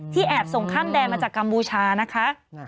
แอบส่งข้ามแดนมาจากกัมพูชานะคะ